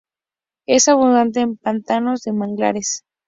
Es abundante en pantanos de manglares.